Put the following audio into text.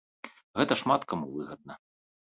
Гэта шмат каму выгадна.